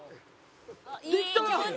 できた！